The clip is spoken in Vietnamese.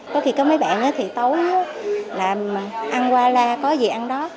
có khi có mấy bạn thì tối là ăn qua la có gì ăn đó